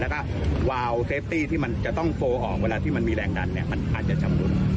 แล้วก็วาวเซฟตี้ที่มันจะต้องโฟลออกเวลาที่มันมีแรงดันเนี่ยมันอาจจะชำรุด